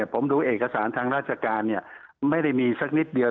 ผมดูเอกสารทางราชการไม่ได้มีสักนิดเดียว